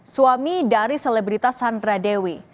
suami dari selebritas sandra dewi